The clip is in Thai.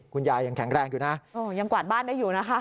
คุณยายยังแข็งแรงอยู่นะโอ้ยังกวาดบ้านได้อยู่นะคะ